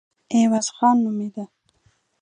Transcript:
عوض خان نومېده.